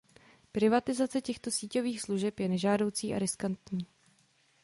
Privatizace těchto síťových služeb je nežádoucí a riskantní.